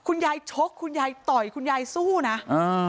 คุณยายชกคุณยายต่อยคุณยายสู้น่ะอืม